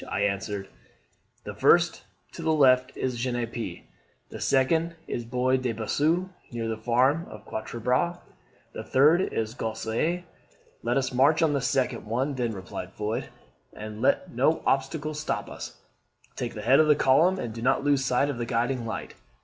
I answered, 'The first to the left is Genappe, the second is at Bois de Bossu, near the farm of Quatre Bras; the third is at Gosselies.' 'Let us march on the second one, then,' replied Foy, 'and let no obstacle stop us take the head of the column, and do not lose sight of the guiding light.'